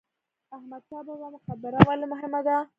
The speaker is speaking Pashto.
احمد شاه بابا مقبره ولې مهمه ده؟